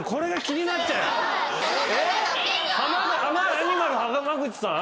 アニマル浜口さん！？